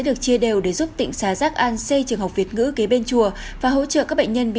dùng đều để giúp tỉnh xá giác an xây trường học việt ngữ kế bên chùa và hỗ trợ các bệnh nhân bị